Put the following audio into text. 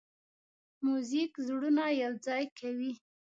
موزیک زړونه یوځای کوي.